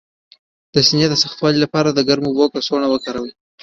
د سینې د سختوالي لپاره د ګرمو اوبو کڅوړه وکاروئ